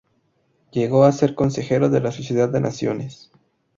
Llegó a ser consejero de la Sociedad de Naciones.